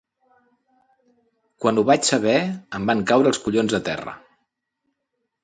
Quan ho vaig saber em van caure els collons a terra